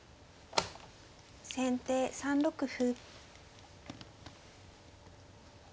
先手３六歩。